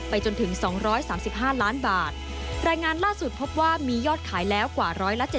จนถึง๒๓๕ล้านบาทรายงานล่าสุดพบว่ามียอดขายแล้วกว่าร้อยละ๗๐